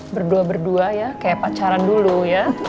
berdua berdua ya kayak pacaran dulu ya